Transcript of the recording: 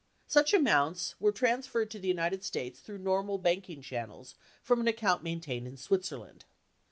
Such amounts were transferred to the United States through normal banking channels from an account main tained in Switzerland.